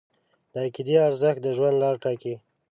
د عقیدې ارزښت د ژوند لار ټاکي.